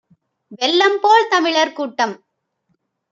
வெள்ளம்போல் தமிழர் கூட்டம்